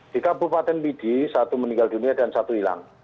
di kabupaten pidi satu meninggal dunia dan satu hilang